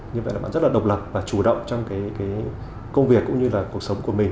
như vậy là bạn rất là độc lập và chủ động trong cái công việc cũng như là cuộc sống của mình